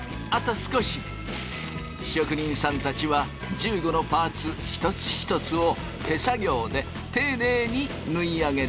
職人さんたちは１５のパーツ一つ一つを手作業で丁寧に縫い上げていく。